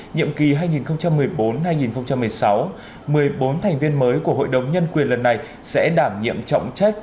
nhiệm kỳ hai nghìn một mươi bốn hai nghìn một mươi sáu một mươi bốn thành viên mới của hội đồng nhân quyền lần này sẽ đảm nhiệm trọng trách